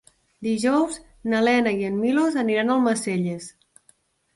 Dijous na Lena i en Milos aniran a Almacelles.